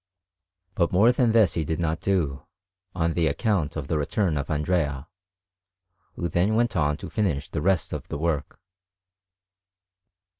But more than this he did not do, on account of the return of Andrea, who then went on to finish the rest of the work.